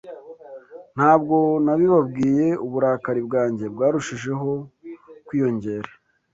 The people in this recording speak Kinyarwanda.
Ntabwo nabibabwiye, uburakari bwanjye bwarushijeho kwiyongera